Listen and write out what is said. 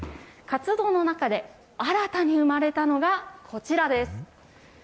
活動の中で、新たに生まれたのがこちらです。